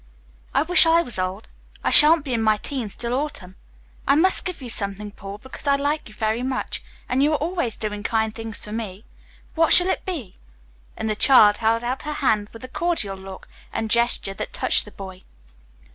"I wish I was as old. I shan't be in my teens till autumn. I must give you something, Paul, because I like you very much, and you are always doing kind things for me. What shall it be?" And the child held out her hand with a cordial look and gesture that touched the boy.